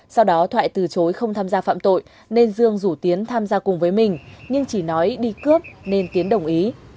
sau đó thoại từ chối không tham gia phạm tội nên dương rủ tiến tham gia cùng với mình nhưng chỉ nói đi cướp nên tiến đồng ý